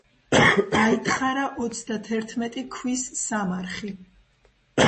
გაითხარა ოცდათერთმეტი ქვის სამარხი.